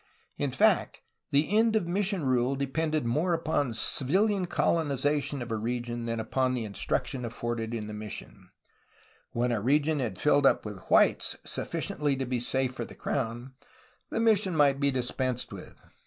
In fact the end of mission rule depended more upon civilian colonization of a region than upon the instruction afforded in the mission; when a region had filled up with whites sufficiently to be safe for the crown, the mission might be dispensed with.